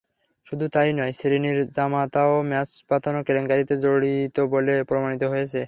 শুধু তা-ই নয়, শ্রীনির জামাতাও ম্যাচ পাতানো কেলেঙ্কারিতে জড়িত বলে প্রমাণিত হয়েছে।